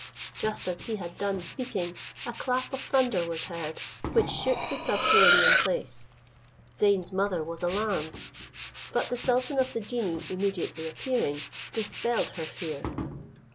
Just as he had done speaking, a clap of thunder was heard, which shook the subterranean place. Zeyn's mother was alarmed, but the sultan of the genii immediately appearing, dispelled her fear.